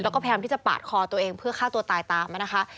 แล้วก็พยายามที่จะปาดคอตัวเองเพื่อฆ่าตัวตายตามมานะคะ